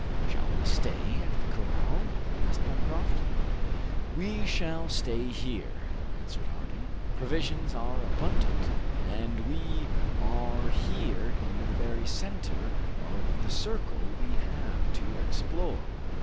"Shall we stay at the corral?" asked Pencroft. "We shall stay here," answered Harding. "Provisions are abundant, and we are here in the very center of the circle we have to explore.